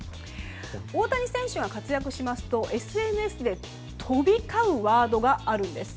大谷選手が活躍しますとＳＮＳで飛び交うワードがあるんです。